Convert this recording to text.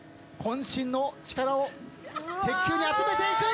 渾身の力を鉄球に集めていく。